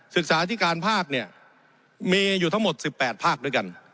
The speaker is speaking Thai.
ศึกษาที่การภาคเนี่ยมีอยู่ทั้งหมด๑๘ภาคด้วยกัน